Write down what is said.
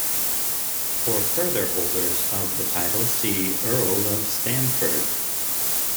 For further holders of the title see "Earl of Stamford"